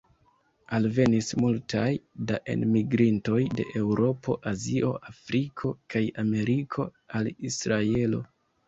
Alvenis multaj da enmigrintoj de Eŭropo, Azio, Afriko kaj Ameriko al Israelo.